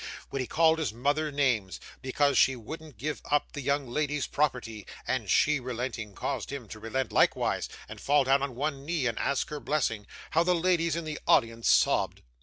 When he called his mother names, because she wouldn't give up the young lady's property, and she relenting, caused him to relent likewise, and fall down on one knee and ask her blessing, how the ladies in the audience sobbed!